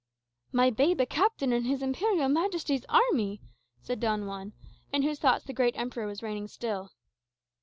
"My babe a captain in His Imperial Majesty's army!" said Don Juan, in whose thoughts the great Emperor was reigning still.